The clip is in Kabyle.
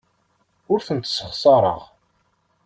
Ur tent-ssexṣareɣ.